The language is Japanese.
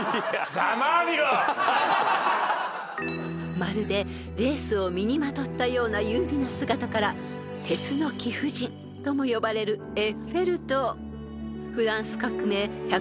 ［まるでレースを身にまとったような優美な姿から鉄の貴婦人とも呼ばれるエッフェル塔］